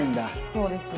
そうです。